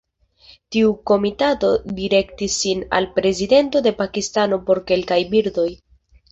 Tiu komitato direktis sin al Prezidento de Pakistano por kelkaj birdoj.